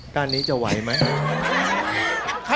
ด้านนี้จะไหวไหมครับ